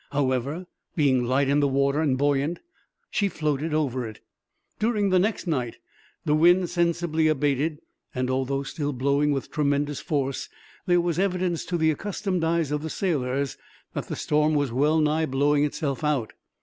However, being light in the water, and buoyant, she floated over it. During the next night the wind sensibly abated, and although still blowing with tremendous force, there was evidence, to the accustomed eyes of the sailors, that the storm was well nigh blowing itself out.